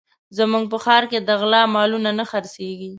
زموږ په ښار کې د غلا مالونه نه خرڅېږي